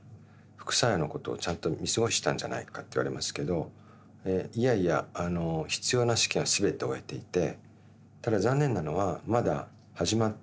副作用のことをちゃんと見過ごしたんじゃないかって言われますけどいやいや必要な試験は全て終えていて。